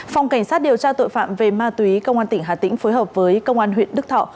phòng cảnh sát điều tra tội phạm về ma túy công an tỉnh hà tĩnh phối hợp với công an huyện đức thọ